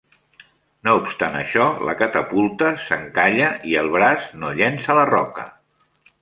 No obstant això, la catapulta s'encalla i el braç no llença la roca.